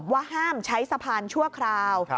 ว่าห้ามใช้สะพานชั่วคราว